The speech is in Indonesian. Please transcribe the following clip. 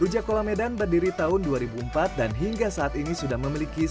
ruja kola medan berdiri tahun dua ribu empat dan hingga saat ini sudah memiliki sebelas cabang